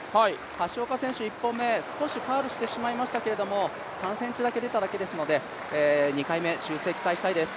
橋岡選手、１本目少しファウルしてしまいましたけど３ｃｍだけ出ただけですので２回目、修正期待したいです。